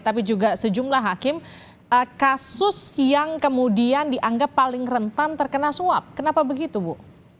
tapi juga sejumlah hakim kasus yang kemudian dianggap paling rentan terkena suap kenapa begitu bu